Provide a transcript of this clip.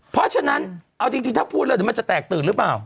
เพราะฉะนั้นเอาจริงถ้าพูดแล้วเดี๋ยวมันจะแตกตื่นหรือเปล่า